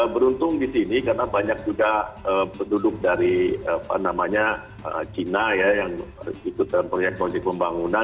beruntung di sini karena banyak juga penduduk dari cina ya yang ikut dalam proyek proyek pembangunan